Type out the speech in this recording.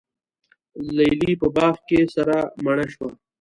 لیلی په باغ کي سره مڼه شوه